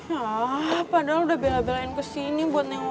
ya padahal udah bela belain kesini buat nengokin boy